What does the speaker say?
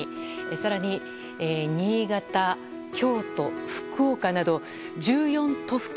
更に、新潟、京都、福岡など１４都府県。